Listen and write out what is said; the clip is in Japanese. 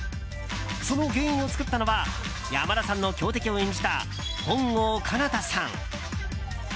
その原因を作ったのは山田さんの強敵を演じた本郷奏多さん。